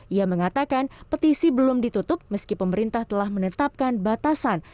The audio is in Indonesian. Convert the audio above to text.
ia mengatakan petisi belum ditutup meski pemerintah telah menetapkan batasan